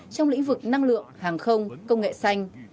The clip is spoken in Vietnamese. trong lĩnh vực năng lượng hàng không công nghệ xanh